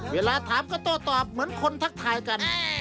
เวลาถามก็โต้ตอบเหมือนคนทักทายกัน